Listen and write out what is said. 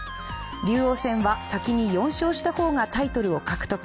竜王戦は先に４勝した方がタイトルを獲得。